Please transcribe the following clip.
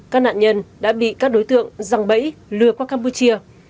các nạn nhân đã bị các đối tượng răng bẫy lừa qua campuchia